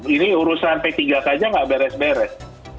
ini urusan p tiga saja nggak beres beres